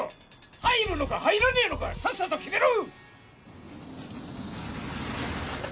入るのか入らねぇのかさっさと決めろ！